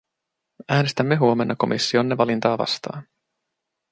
Äänestämme huomenna komissionne valintaa vastaan.